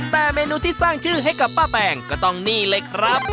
แต่เมนูที่สร้างชื่อให้กับป้าแปงก็ต้องนี่เลยครับ